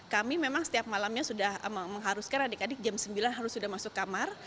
kami memang setiap malamnya sudah mengharuskan adik adik jam sembilan harus sudah masuk kamar